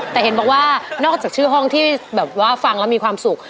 แต่เห็นบอกว่านอกจากชื่อห้องที่แบบว่าฟังแล้วมีความสุข